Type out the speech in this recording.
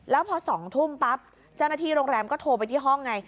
แล้วพอ๒ทุ่มปั๊บเจ้าหน้าที่โรงแรมก็โทรไปที่ห้องไง